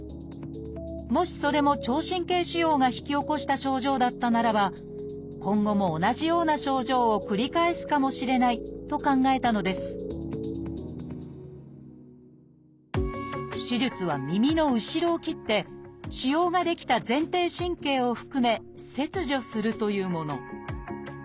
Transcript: もしそれも聴神経腫瘍が引き起こした症状だったならば今後も同じような症状を繰り返すかもしれないと考えたのです手術は耳の後ろを切って腫瘍が出来た前庭神経を含め切除するというもの。